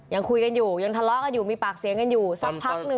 ยังคุยกันอยู่ยังทะเลาะกันอยู่มีปากเสียงกันอยู่สักพักหนึ่ง